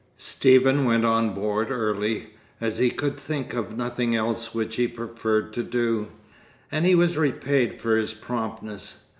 Stephen went on board early, as he could think of nothing else which he preferred to do, and he was repaid for his promptness.